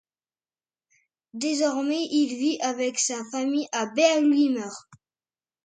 Désormais, il vit avec sa famille à Bernwiller.